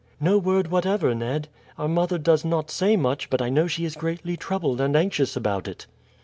"No word whatever, Ned. Our mother does not say much, but I know she is greatly troubled and anxious about it."